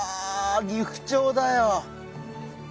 ギフチョウだよ。